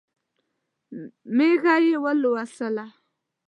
مېږه یې ولوسله.